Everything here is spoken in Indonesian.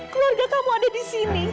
keluarga kamu ada di sini